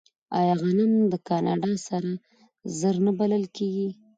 آیا غنم د کاناډا سره زر نه بلل کیږي؟